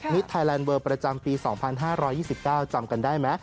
ไทยแลนดเวอร์ประจำปี๒๕๒๙จำกันได้ไหม